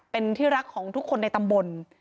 เป็นที่รักของทุกคนในตำบล